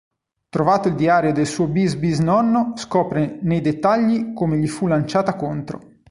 Trovato il diario del suo bis-bis-nonno scopre nei dettagli come gli fu lanciata contro.